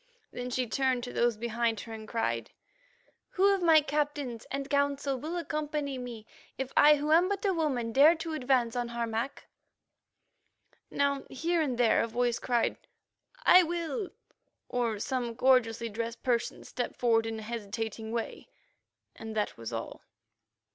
Then she turned to those behind her and cried: "Who of my captains and Council will accompany me, if I who am but a woman dare to advance on Harmac?" Now here and there a voice cried, "I will," or some gorgeously dressed person stepped forward in a hesitating way, and that was all.